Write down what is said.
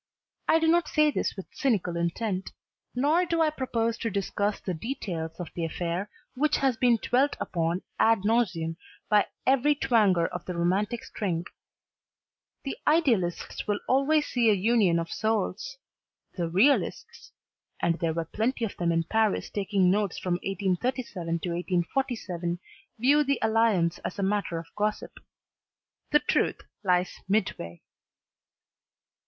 I do not say this with cynical intent. Nor do I propose to discuss the details of the affair which has been dwelt upon ad nauseam by every twanger of the romantic string. The idealists will always see a union of souls, the realists and there were plenty of them in Paris taking notes from 1837 to 1847 view the alliance as a matter for gossip. The truth lies midway.